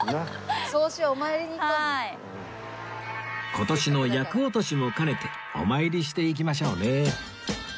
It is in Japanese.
今年の厄落としも兼ねてお参りしていきましょうね